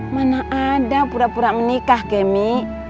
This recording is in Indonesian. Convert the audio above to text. mana ada pura pura menikah gami